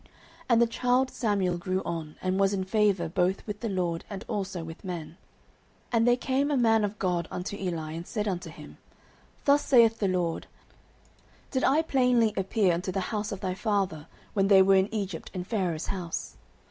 09:002:026 And the child Samuel grew on, and was in favour both with the LORD, and also with men. 09:002:027 And there came a man of God unto Eli, and said unto him, Thus saith the LORD, Did I plainly appear unto the house of thy father, when they were in Egypt in Pharaoh's house?